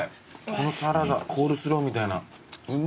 このサラダコールスローみたいなうまい！